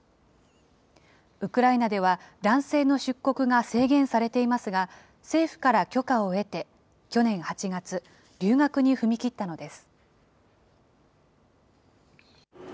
ウクライナでは、男性の出国が制限されていますが、政府から許可を得て、去年８月、留学に踏み切ったのです。